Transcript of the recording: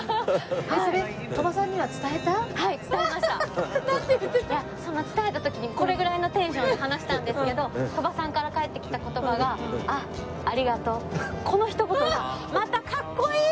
いや伝えた時にこれぐらいのテンションで話したんですけど鳥羽さんから返ってきた言葉がこの一言がまたかっこいい！